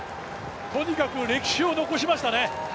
とにかく歴史を残しましたね。